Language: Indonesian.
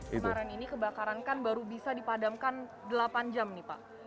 kemarin ini kebakaran kan baru bisa dipadamkan delapan jam nih pak